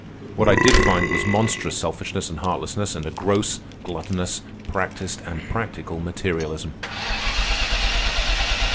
What I did find was monstrous selfishness and heartlessness, and a gross, gluttonous, practised, and practical materialism."